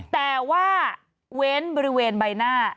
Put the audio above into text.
แต่ว่าเว้นบริเวณใบหน้า